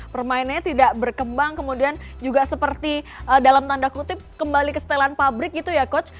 permainannya tidak berkembang kemudian juga seperti dalam tanda kutip kembali ke setelan pabrik gitu ya coach